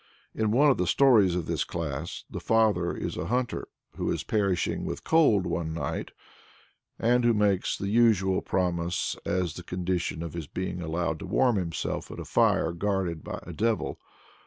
In one of the stories of this class, the father is a hunter who is perishing with cold one night, and who makes the usual promise as the condition of his being allowed to warm himself at a fire guarded by a devil.